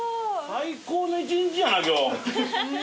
最高の一日やな今日。